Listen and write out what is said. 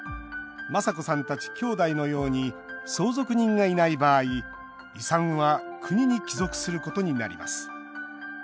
マサコさんたちきょうだいのように相続人がいない場合、遺産は国に帰属することになります。